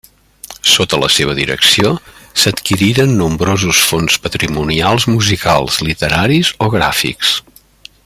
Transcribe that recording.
Sota la seva direcció s'adquiriren nombrosos fons patrimonials musicals, literaris o gràfics.